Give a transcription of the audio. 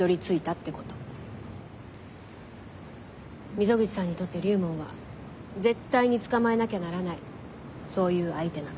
溝口さんにとって龍門は絶対に捕まえなきゃならないそういう相手なの。